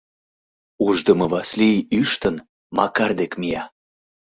Ушдымо Васлий, ӱштын, Макар дек мия.